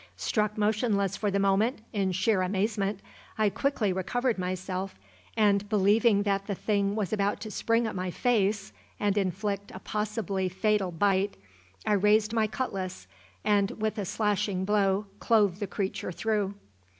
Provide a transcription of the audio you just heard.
Struck motionless for the moment, in sheer amazement, I quickly recovered myself and, believing that the thing was about to spring at my face and inflict a possibly fatal bite, I raised my cutlass and, with a slashing blow, clove the creature through.